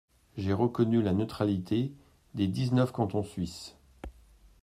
»J'ai reconnu la neutralité des dix-neuf cantons Suisses.